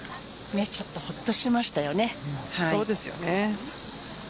ちょっとほっとしましたよね。